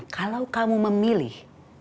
kalau kamu memilih